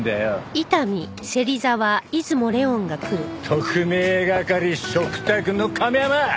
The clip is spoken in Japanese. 特命係嘱託の亀山！